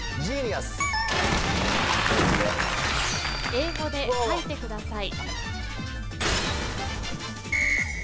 ［英語で書いてください］